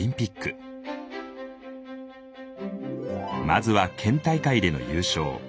まずは県大会での優勝。